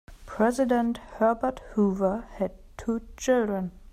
President Herbert Hoover had two children.